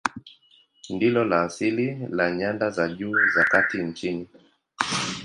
Ndilo la asili la nyanda za juu za kati nchini.